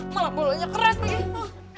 malah bolanya keras begitu